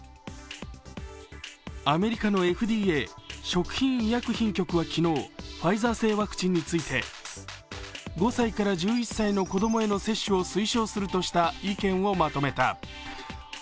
アメリカのＦＤＡ＝食品医薬品局は昨日ファイザー製ワクチンについて５歳から１１歳の子供への接種を推奨するとした意見をまとめた。